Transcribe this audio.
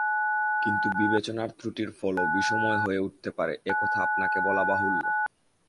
কিন্তু বিবেচনার ত্রুটির ফলও বিষময় হয়ে উঠতে পারে এ কথা আপনাকে বলা বাহুল্য।